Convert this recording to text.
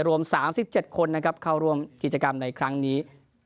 รวม๓๗คนนะครับเข้าร่วมกิจกรรมในครั้งนี้